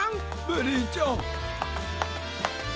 ベリーちゃん！